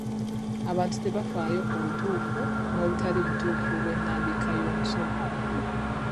Abantu tebafaayo ku butuufu n'obutali butuufu bw'ennambika y'omusolo.